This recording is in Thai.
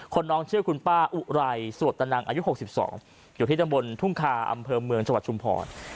น้องชื่อคุณป้าอุไรสวดตนังอายุ๖๒อยู่ที่ตำบลทุ่งคาอำเภอเมืองจังหวัดชุมพร